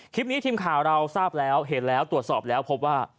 ทีมข่าวเราทราบแล้วเห็นแล้วตรวจสอบแล้วพบว่า